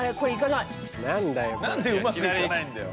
なんでうまくいかないんだよ。